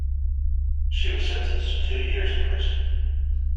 She was sentenced to two years in prison.